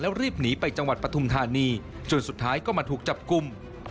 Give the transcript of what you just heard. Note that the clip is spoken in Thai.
รีบหนีไปจังหวัดปฐุมธานีจนสุดท้ายก็มาถูกจับกลุ่ม